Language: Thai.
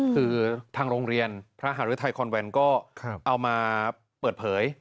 คือทางโรงเรียนพระหารุทัยคอนแวนก็เอามาเปิดเผย